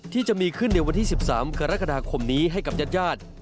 ที่จะมีขึ้นในวันที่๑๓กรกฎาคมนี้ให้กับญาติญาติ